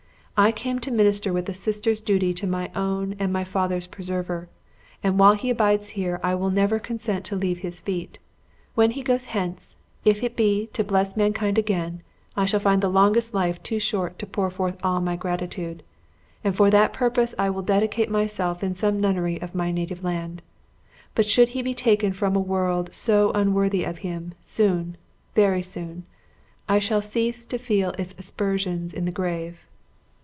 I came to minister with a sister's duty to my own and my father's preserver; and while he abides here, I will never consent to leave his feet. When he goes hence, if it be to bless mankind again, I shall find the longest life too short to pour forth all my gratitude; and for that purpose I will dedicate myself in some nunnery of my native land. But should he be taken from a world so unworthy of him, soon, very soon, I shall cease to feel its aspersions in the grave."